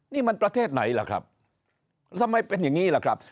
นี่มันประเทศไหนล่ะครับทำไมเป็นอย่างนี้ล่ะครับ